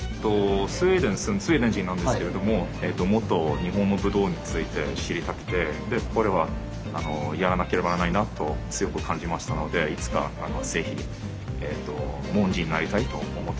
スウェーデン人なんですけれどももっと日本の武道について知りたくてでこれはやらなければならないなと強く感じましたのでいつか是非門人になりたいと思ってました。